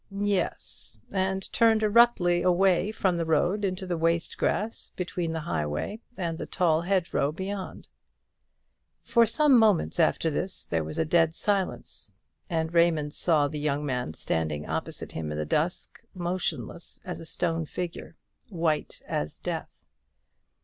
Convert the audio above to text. "Yes; and turned abruptly away from the road into the waste grass between the highway and the tall hedgerow beyond." For some moments after this there was a dead silence, and Raymond saw the young man standing opposite him in the dusk, motionless as a stone figure white as death.